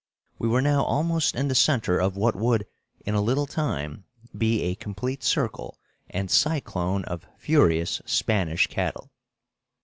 We were now almost in the center of what would, in a little time, be a complete circle and cyclone of furious Spanish cattle.